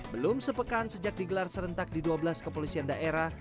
belum sepekan sejak digelar serentak di dua belas kepolisian daerah